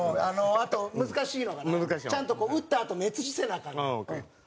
あと難しいのがなちゃんと打ったあと目土せなアカンねん。